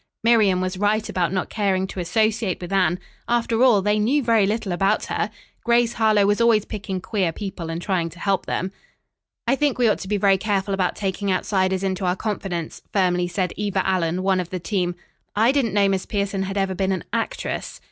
Miriam was right about not caring to associate with Anne. After all, they knew very little about her. Grace Harlowe was always picking queer people and trying to help them. "I think we ought to be very careful about taking outsiders into our confidence," firmly said Eva Allen, one of the team. "I didn't know Miss Pierson had ever been an actress."